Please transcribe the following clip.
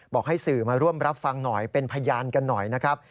บอกให้สื่อมาร่วมรับฟังหน่อยเป็นพยานกันหน่อยนะครับ